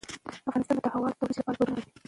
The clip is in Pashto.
افغانستان د هوا د ترویج لپاره پروګرامونه لري.